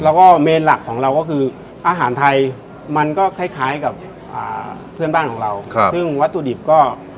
แล้วก็เมนหลักของเราก็คืออาหารไทยมันก็คล้ายกับเพื่อนบ้านของเราซึ่งวัตถุดิบก็